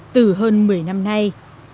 từ hơn một mươi năm nay